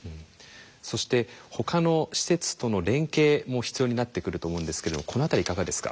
そしてほかの施設との連携も必要になってくると思うんですけどこの辺りいかがですか？